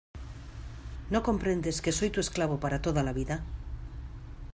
¿ no comprendes que soy tu esclavo para toda la vida?